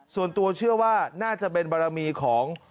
ส่วนตัวเชื่อว่าน่าจะเป็นบารมีของ